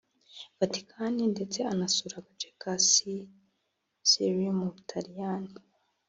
Vatican ndetse azanasura agace ka Sicily mu Butaliyani